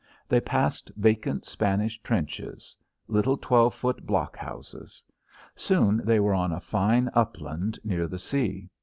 They passed vacant Spanish trenches; little twelve foot blockhouses. Soon they were on a fine upland near the sea.